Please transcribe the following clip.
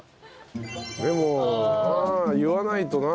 でもな言わないとなあ。